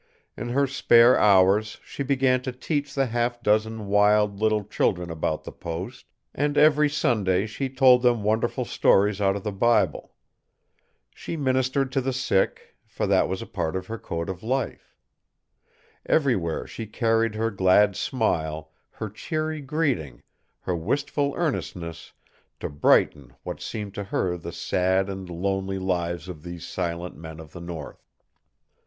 In her spare hours she began to teach the half dozen wild little children about the post, and every Sunday she told them wonderful stories out of the Bible. She ministered to the sick, for that was a part of her code of life. Everywhere she carried her glad smile, her cheery greeting, her wistful earnestness, to brighten what seemed to her the sad and lonely lives of these silent men of the North.